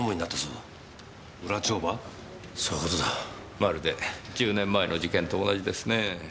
まるで１０年前の事件と同じですねぇ。